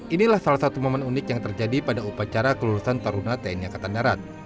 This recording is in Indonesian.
inilah salah satu momen unik yang terjadi pada upacara kelulusan taruna tni angkatan darat